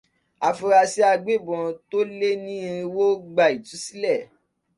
Afurasí agbébọn tó lè ní irinwó gbà ìtúsílẹ̀.